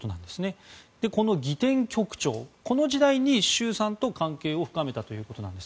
この儀典局長この時代に習さんと関係を深めたということです。